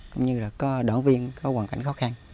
cũng như là có đảng viên có hoàn cảnh khó khăn